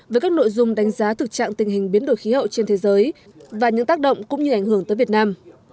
với các nội dung đánh giá thực trạng tình hình biến đổi khí hậu trên thế giới và những tác động cũng như ảnh hưởng tới việt nam